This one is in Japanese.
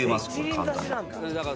簡単に。